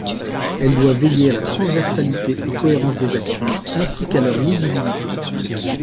Elle doit veiller à la transversalité et cohérence des actions, ainsi qu'à leur lisibilité.